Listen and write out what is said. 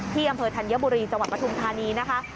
อำเภอธัญบุรีจังหวัดปฐุมธานีนะคะ